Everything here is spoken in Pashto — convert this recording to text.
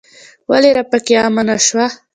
ولې راپکې عامه نه شوه.